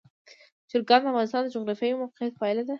چرګان د افغانستان د جغرافیایي موقیعت پایله ده.